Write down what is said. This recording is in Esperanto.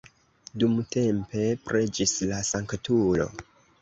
Dumtempe preĝis la sanktulo.